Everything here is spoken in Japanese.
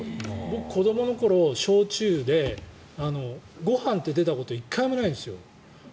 僕、子どもの頃、小中でご飯って出たこと１回もないんですよ。